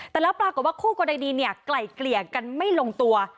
แต่แล้วปรากฏว่าคู่กรณีเนี่ยไกล่เกลี่ยกันไม่ลงตัว